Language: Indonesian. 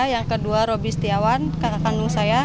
yang kedua roby setiawan kakak kandung saya